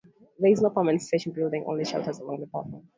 There is no permanent station building, only shelters along the platform.